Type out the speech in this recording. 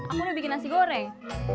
aku udah bikin nasi goreng